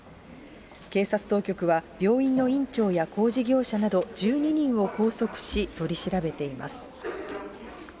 警察当局は、病院の院長や工事業者など１２人を拘束し、取り調べています。